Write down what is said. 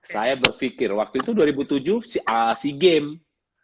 saya berpikir waktu itu dua ribu tujuh sea games